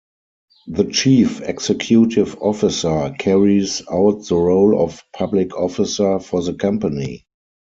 The Chief Executive Officer carries out the role of Public Officer for the Company.